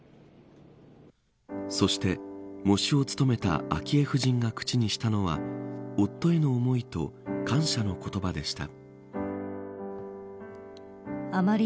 そして、喪主を務めた昭恵夫人が口にしたのは夫への思いと感謝の言葉でした。